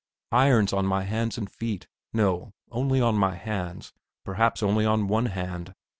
Irons on my hands and feet; no, only on my hands; perhaps only on one hand.